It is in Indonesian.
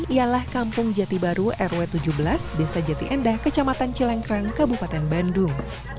ialah kampung jati baru rw tujuh belas desa jati endah kecamatan cilengkrang kabupaten bandung